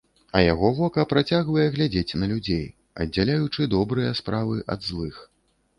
А яго вока працягвае глядзець на людзей, аддзяляючы добрыя справы ад злых.